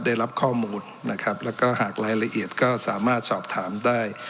ได้รับข้อมูลนะครับแล้วก็หากรายละเอียดก็สามารถสอบถามได้